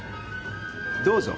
・どうぞ。